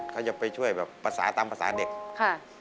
เขาจะไปช่วยแบบภาษาตามภาษาเด็กค่ะ